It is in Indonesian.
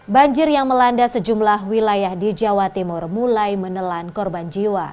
banjir yang melanda sejumlah wilayah di jawa timur mulai menelan korban jiwa